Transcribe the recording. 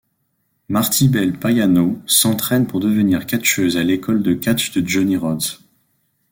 Martibel Payano s'entraîne pour devenir catcheuse à l'école de catch de Johnny Rodz.